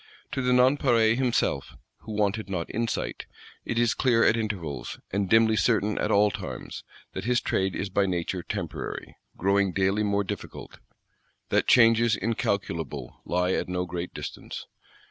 To the Nonpareil himself, who wanted not insight, it is clear at intervals, and dimly certain at all times, that his trade is by nature temporary, growing daily more difficult; that changes incalculable lie at no great distance.